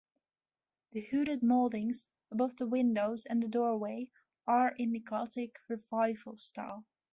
The hooded moldings above the windows and doorway are in the Gothic Revival style.